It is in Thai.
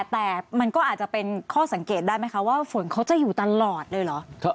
แต่มันก็อาจจะเป็นข้อสังเกตได้ไหมคะว่าฝนเขาจะอยู่ตลอดเลยเหรอ